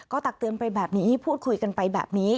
ตักเตือนไปแบบนี้พูดคุยกันไปแบบนี้